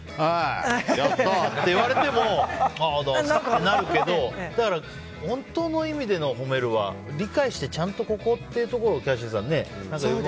やった！って言われてもあざーすってなるけどだから、本当の意味での褒めるは理解してちゃんとここというところをキャシーさん